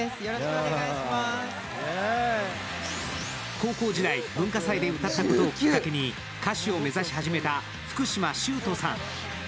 高校時代、文化祭で歌ったことをきっかけに歌手を目指し始めた福嶌崇人さん。